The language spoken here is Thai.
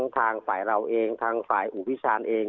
ทางฝ่ายเราเองทางฝ่ายอูพิชานเอง